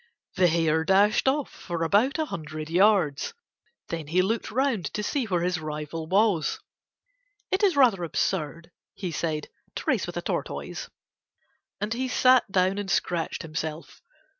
The Hare dashed off for about a hundred yards, then he looked round to see where his rival was. "It is rather absurd," he said, "to race with a Tortoise." And he sat down and scratched himself.